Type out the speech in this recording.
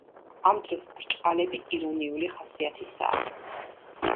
ამ დროს ბრჭყალები ირონიული ხასიათისაა.